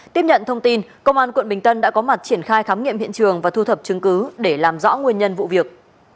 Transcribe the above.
tiếp nhận thông tin công an quận bình tân đã có mặt triển khai khám nghiệm hiện trường và thu thập chứng cứ để làm rõ nguyên nhân vụ việc